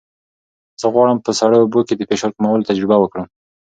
زه غواړم په سړو اوبو کې د فشار کمولو تجربه وکړم.